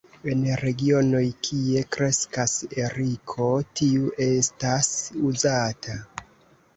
En regionoj, kie kreskas eriko, tiu estas uzata.